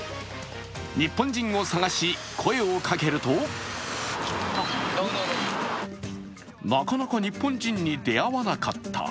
日本人を探し声をかけるとなかなか日本人に出会わなかった。